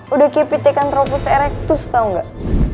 udah kpt kan tropus erectus tau gak